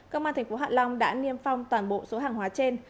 công an tp hạ long đã niêm phong toàn bộ số hàng hóa trên